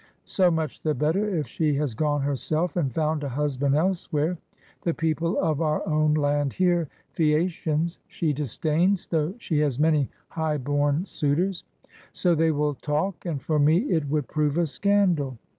So much the better, if she has gone herself and found a husband elsewhere ! The people of our own land here, Phasacians, she disdains, though she has many high born suitors.' So they will talk, and for me it would prove a scandal.